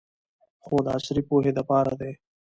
خو د عصري پوهې د پاره دې